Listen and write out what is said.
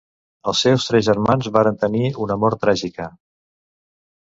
Els seus tres germans varen tenir una mort tràgica.